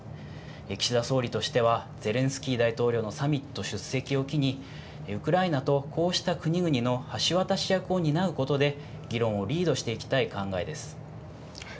岸田総理としては、ゼレンスキー大統領のサミット出席を機に、ウクライナとこうした国々の橋渡し役を担うことで議論をリードしていきたい考えです。